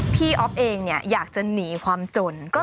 อ๊อฟเองอยากจะหนีความจน